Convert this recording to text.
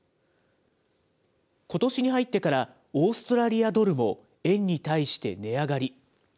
ことしに入ってから、オーストラリアドルも円に対して値上がり。